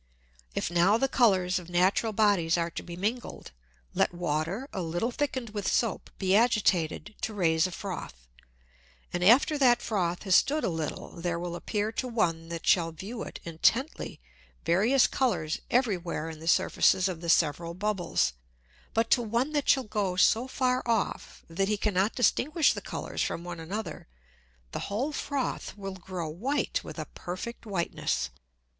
If now the Colours of natural Bodies are to be mingled, let Water a little thicken'd with Soap be agitated to raise a Froth, and after that Froth has stood a little, there will appear to one that shall view it intently various Colours every where in the Surfaces of the several Bubbles; but to one that shall go so far off, that he cannot distinguish the Colours from one another, the whole Froth will grow white with a perfect Whiteness.